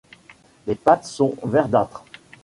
Les pattes sont verdâtres.